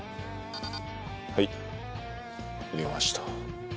はい入れました。